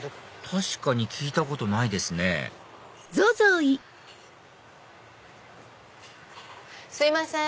確かに聞いたことないですねすいません！